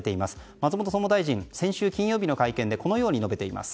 松本総務大臣が先週金曜日の会見でこのように述べています。